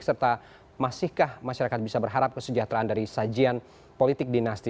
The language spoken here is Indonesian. serta masihkah masyarakat bisa berharap kesejahteraan dari sajian politik dinasti